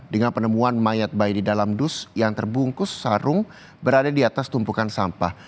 dengan penemuan mayat bayi di dalam dus yang terbungkus sarung berada di atas tumpukan sampah